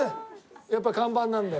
やっぱ看板なんで。